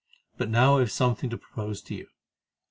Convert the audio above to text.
But now I have something to propose to you.